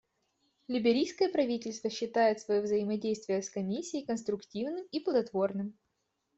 Либерийское правительство считает свое взаимодействие с Комиссией конструктивным и плодотворным.